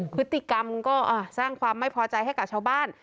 พฤติกรรมก็สร้างความไม่พอใจให้กับชาวบ้าน